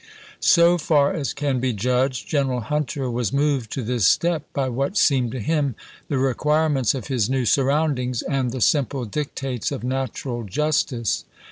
So far as can be judged, General Hunter was moved to this step by what seemed to him the requirements of his new surroundings and the simple dictates of natural justice.